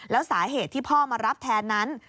แล้วสาเหตุที่พ่อมารับแทนนั้น